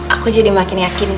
aku jadi makin yakin